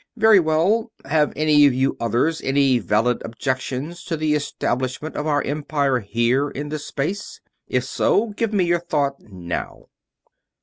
"Very well. Have any of you others any valid objections to the establishment of our empire here in this space? If so, give me your thought now."